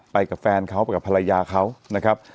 ไปกับภรรยาเขานะครับ